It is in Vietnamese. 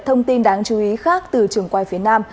thông tin đáng chú ý khác từ trường quay phía nam